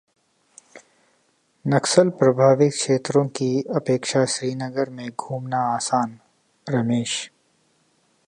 नक्सल प्रभावित क्षेत्रों की अपेक्षा श्रीनगर में घूमना आसान: रमेश